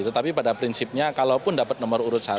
tetapi pada prinsipnya kalaupun dapat nomor urut satu